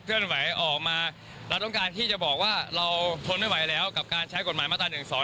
เลื่อนไหวออกมาเราต้องการที่จะบอกว่าเราทนไม่ไหวแล้วกับการใช้กฎหมายมาตรา๑๒